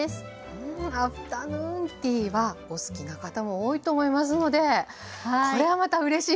うんアフタヌーンティーはお好きな方も多いと思いますのでこれはまたうれしいレシピですけれども。